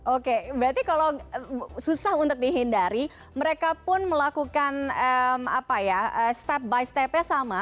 oke berarti kalau susah untuk dihindari mereka pun melakukan step by stepnya sama